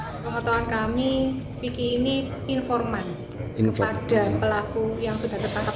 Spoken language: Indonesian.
pengetahuan kami vicky ini informan kepada pelaku yang sudah tertangkap